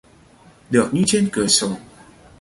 Được như trên cửa sổ